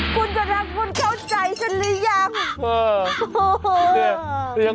มึงจะรับมึงเข้าใจฉันหรือยัง